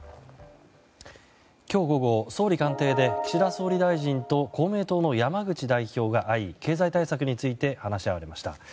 今日午後、総理官邸で岸田総理大臣と公明党の山口代表が会い経済対策について話し合われました。